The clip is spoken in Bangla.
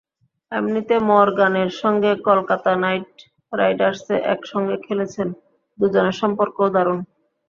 এমনিতে মরগানের সঙ্গে কলকাতা নাইট রাইডার্সে একসঙ্গে খেলেছেন, দুজনের সম্পর্কও দারুণ।